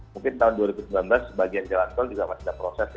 mungkin tahun dua ribu sembilan belas sebagian jalan tol juga masih ada proses ya